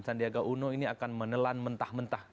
sandiaga uno ini akan menelan mentah mentah